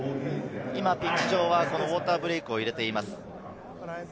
ピッチ上はウオーターブレイクを入れています。